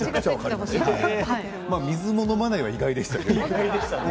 水も飲まないは意外ですけど。